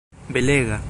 belega